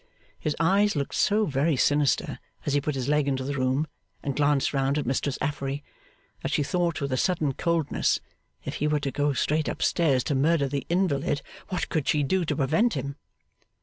His eyes looked so very sinister, as he put his leg into the room and glanced round at Mistress Affery, that she thought with a sudden coldness, if he were to go straight up stairs to murder the invalid, what could she do to prevent him?